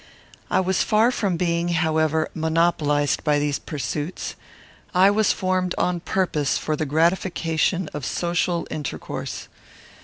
I was far from being, however, monopolized by these pursuits. I was formed on purpose for the gratification of social intercourse.